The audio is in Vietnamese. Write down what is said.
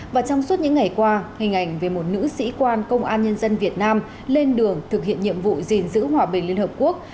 và trong suốt những ngày qua hình ảnh về một nữ sĩ quan công an nhân dân việt nam lên đường thực hiện nhiệm vụ gìn giữ hòa bình liên hợp quốc